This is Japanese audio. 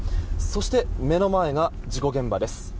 そして、目の前が事故現場です。